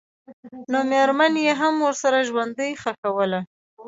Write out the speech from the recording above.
نومېرمن یې هم ورسره ژوندۍ ښخوله.